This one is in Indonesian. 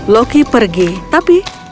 loki pergi tapi